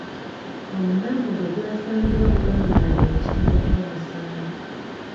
Omulambo gwe gwasangibwa gugaղղalamye mu kitaba ky’omusaayi.